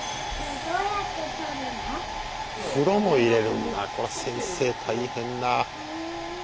風呂も入れるんだこれ先生大変だ。